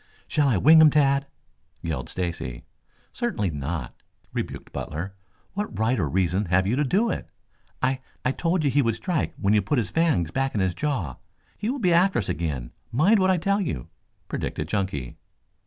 "Shall I wing him, Tad?" yelled Stacy. "Certainly not," rebuked Butler. "What right or reason have you to do it?" "I I told you he would strike when you put his fangs back in his jaw. He will be after us again, mind what I tell you," predicted Chunky.